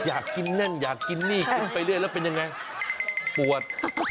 อยากกินนั่นอยากกินนี่ขึ้นไปเรื่อยแล้วเป็นยังไงปวด